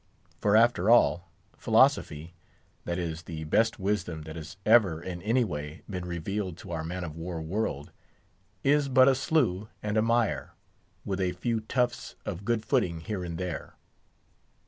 For after all, philosophy—that is, the best wisdom that has ever in any way been revealed to our man of war world—is but a slough and a mire, with a few tufts of good footing here and there.